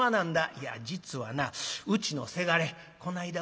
いや実はなうちのせがれこないだ